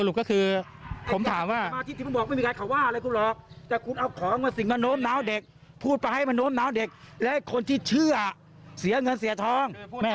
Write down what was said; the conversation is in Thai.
ยิ่งพูดไปยิ่งไวพอพูดกับหมอปลาก็มาทางนี้อีก